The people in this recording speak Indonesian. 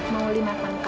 mau lima pangkai